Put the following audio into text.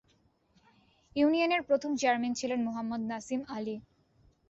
ইউনিয়নের প্রথম চেয়ারম্যান ছিলেন মোহাম্মদ নাসিম আলী।